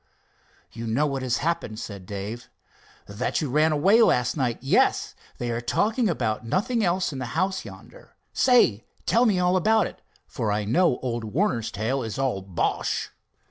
"You know what has happened," said Dave. "That you ran away last night—yes. They are talking about nothing else in the house yonder. Say, tell me about it, for I know old Warner's tale is all bosh."